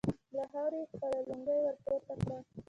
له خاورو يې خپله لونګۍ ور پورته کړه.